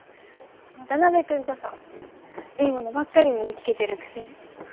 渡部くんこそいいものばっかり身につけてるくせに。